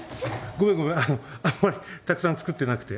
ごめんごめんあのあんまりたくさん作ってなくて。